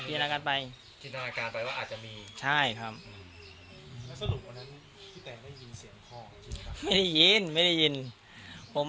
สรุปวันนั้นพี่แต่งไม่ยินเสียงพ่อ